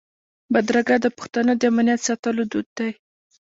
بدرګه د پښتنو د امنیت ساتلو دود دی.